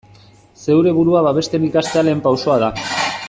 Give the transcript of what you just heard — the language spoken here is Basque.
Zeure burua babesten ikastea lehen pausoa da.